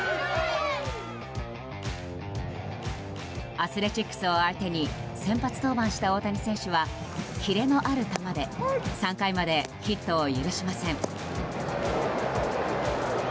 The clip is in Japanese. アスレチックスを相手に先発登板した大谷選手はキレのある変化球を投げ３回までヒットを許しません。